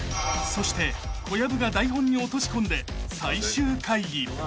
［そして小籔が台本に落とし込んで最終会議］